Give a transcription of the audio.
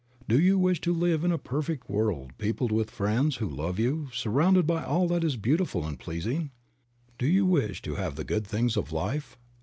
Do you wish to live in a perfect world peopled with friends who love you, surrounded by all that is beautiful and pleasing? Do you wish to have the good things of life